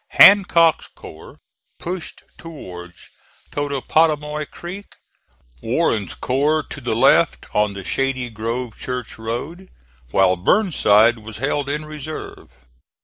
Hancock's corps pushed toward Totopotomoy Creek; Warren's corps to the left on the Shady Grove Church Road, while Burnside was held in reserve.